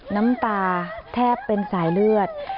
น้ำตาแทบเป็นสายเลือด